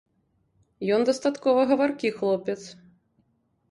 Ён дастаткова гаваркі хлопец.